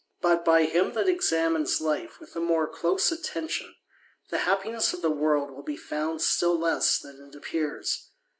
But by him that examines life with a more close attention, the happiness of the world will be found still less than it appears.